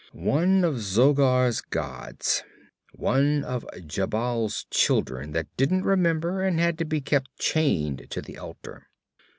'One of Zogar's gods. One of Jhebbal's children that didn't remember and had to be kept chained to the altar.